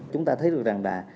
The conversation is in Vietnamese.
chúng ta thấy được rằng là